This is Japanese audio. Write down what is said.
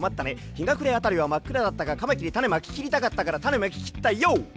ひがくれあたりはまっくらだったがカマキリたねまききりたかったからタネまききったＹＯ！」